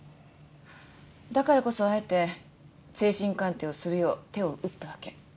だからこそあえて精神鑑定をするよう手を打ったわけ。